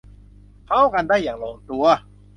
เข้ากันได้อย่างลงตัว